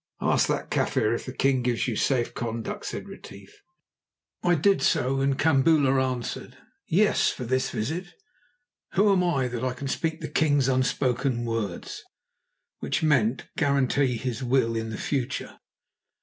"Ask that Kaffir if the king gives you safe conduct," said Retief. I did so, and Kambula answered: "Yes, for this visit. Who am I that I can speak the king's unspoken words?" [which meant, guarantee his will in the future.